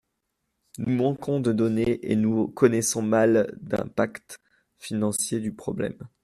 Nous manquons de données et nous connaissons mal d’impact financier du problème.